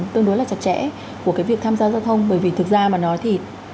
tương đối là chặt chẽ của cái việc tham gia giao thông bởi vì thực ra mà nói thì